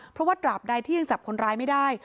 เพราะว่าตราบใดที่ยังจับคนร้ายไม่ได้